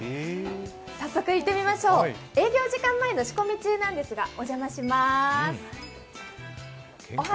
早速いってみましょう、営業時間前の仕込み中なんですがおじゃまします。